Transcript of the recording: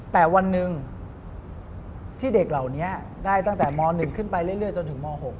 แต่วันหนึ่งที่เด็กเหล่านี้ได้ตั้งแต่ม๑ขึ้นไปเรื่อยจนถึงม๖